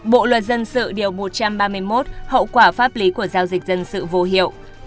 bộ luật dân sự điều một trăm ba mươi một hậu quả pháp lý của giao dịch dân sự vô hiệu